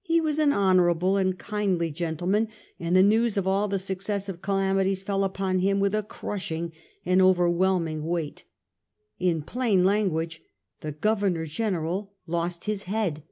He was an honourable, kindly gentleman, and the news of all the successive calamities fell upon Mm with a crushing, an over whelming weight. In plain language, the Grovemor General lost Ms head.